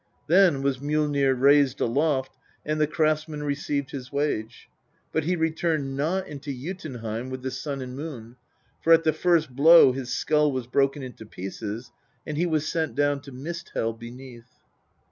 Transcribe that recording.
Then was Mjollnir raised aloft, and the craftsman received his wage ; but he returned not into Jotunheim with the Sun and Moon, for at the first blow his skull was broken into pieces, and he was sent down to Mist hel beneath."